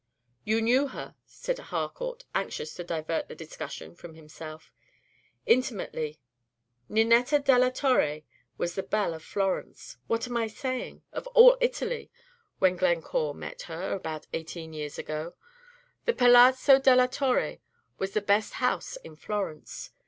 "You knew her," said Harcourt, anxious to divert the discussion from himself. "Intimately. Ninetta della Torre was the belle of Florence what am I saying? of all Italy when Glencore met her, about eighteen years ago. The Palazzo della Torre was the best house in Florence.